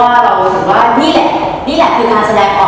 ว่าเราคือว่านี่แหละคือการแสดงออก